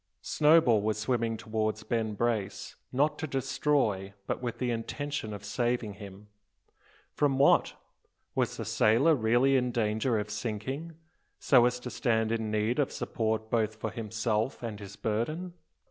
Snowball was swimming towards Ben Brace, not to destroy, but with the intention of saving him. From what? Was the sailor really in danger of sinking, so as to stand in need of support both for himself and his burden?